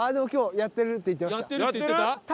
やってるって言ってた？